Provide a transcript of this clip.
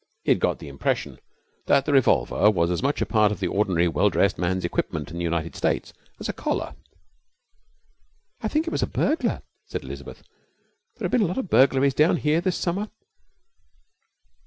He had got the impression that a revolver was as much a part of the ordinary well dressed man's equipment in the United States as a collar. 'I think it was a burglar,' said Elizabeth. 'There have been a lot of burglaries down here this summer.'